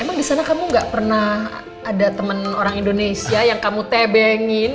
emang di sana kamu gak pernah ada teman orang indonesia yang kamu tebengin